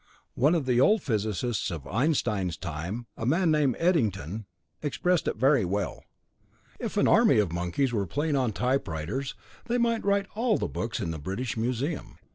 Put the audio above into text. One of the old physicists of Einstein's time, a man named Eddington, expressed it very well: 'If an army of monkeys were playing on typewriters they might write all the books in the British Museum.